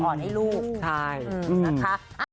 ร้องทุกวัน